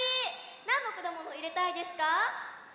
なんのくだものをいれたいですか？